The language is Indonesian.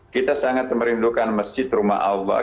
kita sangat merindukan masjid rumah allah